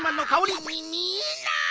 みえない！